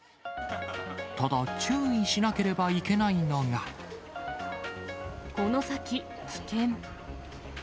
ただ、注意しなければいけなこの先、危険。